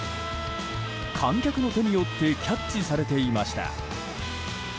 観客の手によってキャッチされていました。